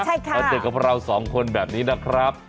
มาเจอกับเราสองคนแบบนี้นะครับ